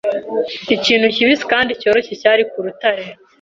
Ikintu kibisi kandi cyoroshye cyari ku rutare.